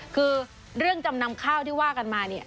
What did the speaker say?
คือเรื่องจำนำข้าวที่ว่ากันมาเนี่ย